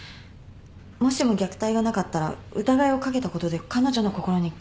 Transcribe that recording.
もしも虐待がなかったら疑いをかけたことで彼女の心に傷を残すことに。